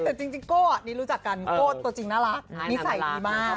แต่จริงโก้นี่รู้จักกันโก้ตัวจริงน่ารักนิสัยดีมาก